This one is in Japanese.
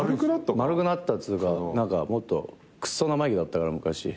丸くなったっつうか何かもっとくそ生意気だったから昔。